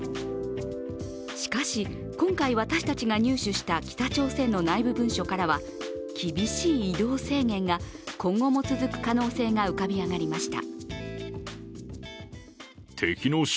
しかし、今回私たちが入手した北朝鮮の内部文書からは厳しい移動制限が今後も続く可能性が浮かび上がりました。